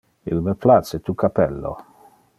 Il me place tu cappello.